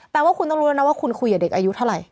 แต่ว่าคุณต้องรู้แล้วนะว่าคุณคุยกับเด็กอายุเท่าไหร